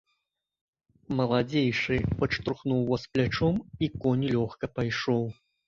Маладзейшы падштурхнуў воз плячом, і конь лёгка пайшоў.